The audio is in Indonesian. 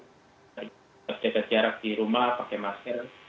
setiap jarak di rumah pakai masker